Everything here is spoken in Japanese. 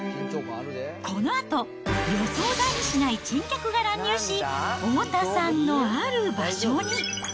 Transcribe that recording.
このあと、予想だにしない珍客が乱入し、太田さんのある場所に。